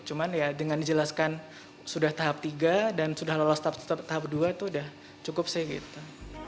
cuman ya dengan dijelaskan sudah tahap tiga dan sudah lolos tahap dua itu sudah cukup sih gitu